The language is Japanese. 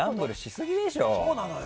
そうなのよ。